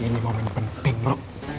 ini momen penting bro